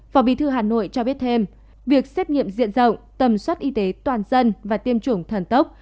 phó bí thư hà nội cho biết thêm việc xét nghiệm diện rộng tầm soát y tế toàn dân và tiêm chủng thần tốc